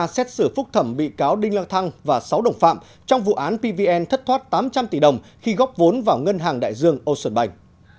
xét xử phúc thẩm bị cáo đinh lạc thăng và sáu đồng phạm trong vụ án pvn thất thoát tám trăm linh tỷ đồng khi góp vốn vào ngân hàng đại dương âu xuân bành